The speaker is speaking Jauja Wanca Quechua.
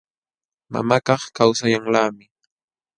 Mamakaq kawsayanlaqmi.